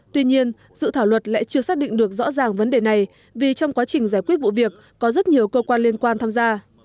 tuy nhiên dự thảo luật lại chưa xác định được rõ ràng vấn đề này vì trong quá trình giải quyết vụ việc có rất nhiều cơ quan liên quan tham gia